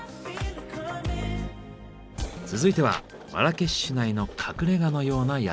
続いてはマラケシュ市内の隠れ家のような宿。